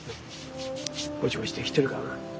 ぼちぼち出来てるかな？